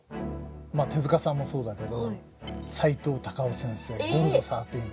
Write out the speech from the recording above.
まあ手さんもそうだけどさいとう・たかを先生「ゴルゴ１３」とかね。